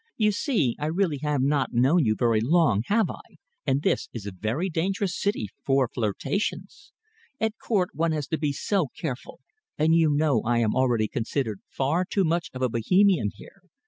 You see, I really have not known you very long, have I, and this is a very dangerous city for flirtations. At Court one has to be so careful, and you know I am already considered far too much of a Bohemian here.